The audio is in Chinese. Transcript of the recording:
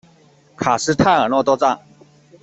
卡斯泰尔诺多藏。